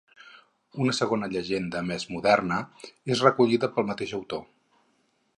Una segona llegenda, més moderna, és recollida pel mateix autor.